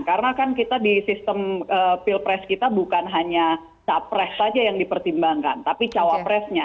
karena kan kita di sistem field press kita bukan hanya capres saja yang dipertimbangkan tapi cawapresnya